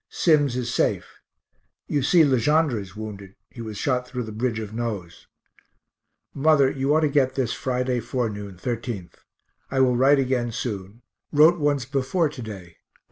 Sims is safe. You see Le Gendre is wounded he was shot through the bridge of nose. Mother, you ought to get this Friday forenoon, 13th. I will write again soon. Wrote once before to day.